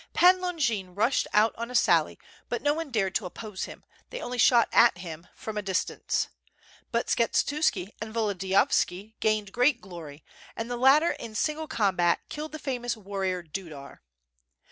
Pan Longin rushed out on a sally, but no one dared to oppose him, they only shot at him from a distance. But Skshetuski and Volodiyovski gained great glory, and the latter in single combat killed the famous warrior Dudar.